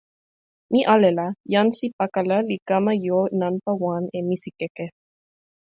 mi ale la, jan Si Pakala li kama jo nanpa wan e misikeke.